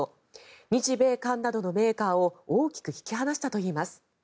日米韓などのメーカーを大きく引き離したといいます。